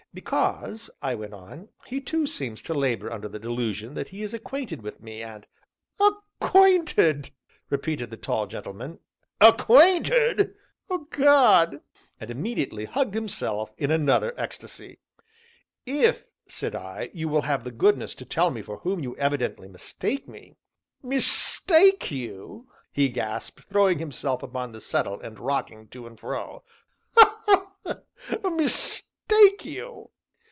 "Because," I went on, "he too seems to labor under the delusion that he is acquainted with me, and " "Acquainted!" repeated the tall gentleman, "acquainted! Oh, gad!" and immediately hugged himself in another ecstasy. "If," said I, "you will have the goodness to tell me for whom you evidently mistake me " "Mistake you!" he gasped, throwing himself upon the settle and rocking to and fro, "ha! ha! mistake you!"